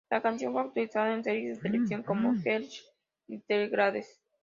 La canción fue utilizada en series de televisión como "Hellcats" y "The Glades".